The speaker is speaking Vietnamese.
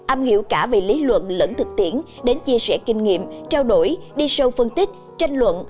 âm hiểu cả về lý luận lẫn thực tiễn đến chia sẻ kinh nghiệm trao đổi đi sâu phân tích tranh luận